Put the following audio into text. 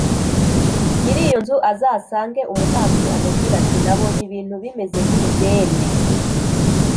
Nyir iyo nzu azasange umutambyi amubwire ati nabonye ibintu bimeze nk ibibembe